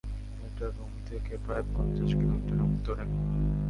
এটা রোম থেকে প্রায় পঞ্চাশ কিলোমিটার উত্তরে।